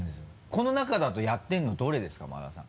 この中だとやってるのどれですか馬田さん。